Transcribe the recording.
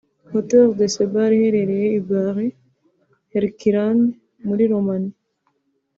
Hotel Decebal iherereye i Baile Herculane muri Roumanie